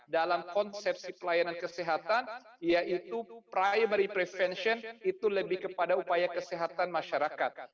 dalam konsepsi pelayanan kesehatan yaitu primary prevention itu lebih kepada upaya kesehatan masyarakat